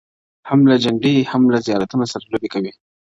هم له جنډۍ، هم زیارتونو سره لوبي کوي!!